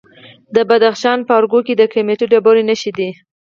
د بدخشان په ارګو کې د قیمتي ډبرو نښې دي.